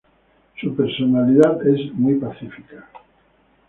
Su personalidad es muy pacífica.